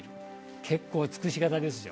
結構尽くし型ですよ。